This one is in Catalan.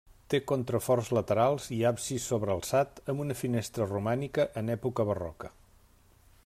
Té contraforts laterals i absis sobrealçat, amb una finestra romànica, en època barroca.